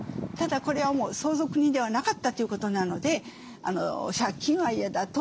ただこれはもう相続人ではなかったということなので借金は嫌だ。